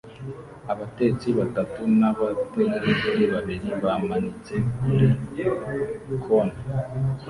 Abatetsi batatu nabategarugori babiri bamanitse kuri bkoni